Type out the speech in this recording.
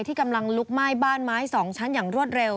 กำลังลุกไหม้บ้านไม้๒ชั้นอย่างรวดเร็ว